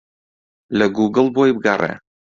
لە گووگڵ بۆی بگەڕێ.